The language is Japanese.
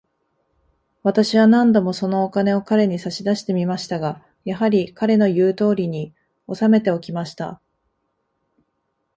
私は何度も、そのお金を彼に差し出してみましたが、やはり、彼の言うとおりに、おさめておきました。